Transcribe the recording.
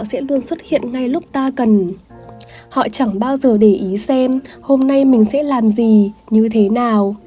họ sẽ luôn xuất hiện ngay lúc ta cần họ chẳng bao giờ để ý xem hôm nay mình sẽ làm gì như thế nào